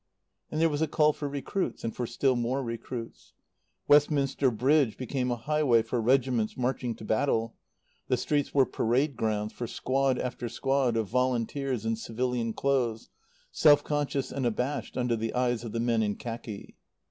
And there was a call for recruits, and for still more recruits. Westminster Bridge became a highway for regiments marching to battle. The streets were parade grounds for squad after squad of volunteers in civilian clothes, self conscious and abashed under the eyes of the men in khaki.